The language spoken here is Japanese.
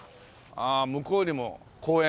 ああ向こうにも公園。